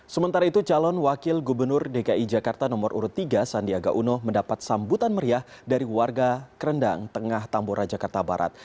sementara itu calon wakil gubernur dki jakarta nomor urut tiga sandiaga uno mendapat sambutan meriah dari warga kerendang tengah tambora jakarta barat